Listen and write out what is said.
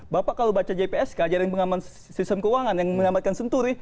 bapak kalau baca jpsk jaring pengaman sistem keuangan yang menyelamatkan senturi